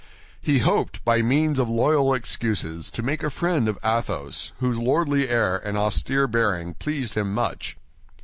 He hoped, by means of loyal excuses, to make a friend of Athos, whose lordly air and austere bearing pleased him much.